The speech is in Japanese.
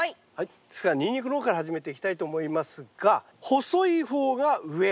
ですからニンニクの方から始めていきたいと思いますが細い方が上。